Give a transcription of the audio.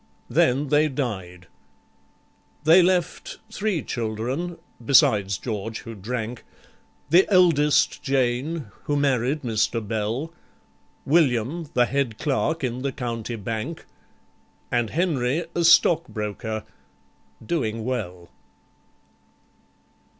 Then they died. They left three children (beside George, who drank); The eldest Jane, who married Mr. Bell, William, the head clerk in the County Bank, And Henry, a stock broker, doing well.